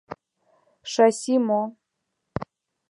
Шасси мо?..